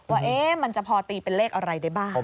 ว่ามันจะพอตีเป็นเลขอะไรได้บ้าง